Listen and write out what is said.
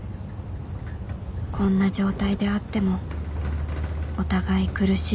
こんな状態で会ってもお互い苦しいだけだ